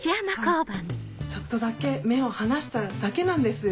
はいちょっとだけ目を離しただけなんですよ。